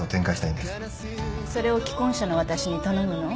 それを既婚者の私に頼むの？